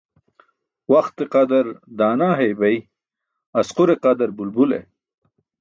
Waxte qadar daana hey bay asqur qadar bulbule